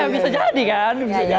bisa jadi kan